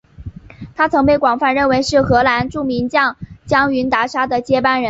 他曾被广泛认为是荷兰著名门将云达沙的接班人。